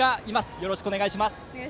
よろしくお願いします。